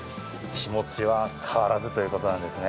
気持ちは変わらずということなんですね。